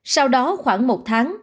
sau đó khoảng một tháng